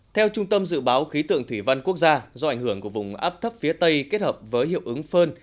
theo trung tâm dự báo khí tượng thủy văn quốc gia do ảnh hưởng của vùng áp thấp phía tây kết hợp với hiệu ứng phơn